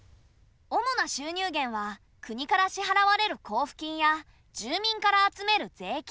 主な収入源は国から支払われる交付金や住民から集める税金。